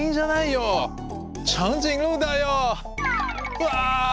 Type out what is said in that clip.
うわ！